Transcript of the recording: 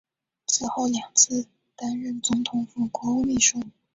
此后两次担任总统府国务秘书。